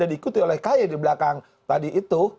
ikuti oleh k y di belakang tadi itu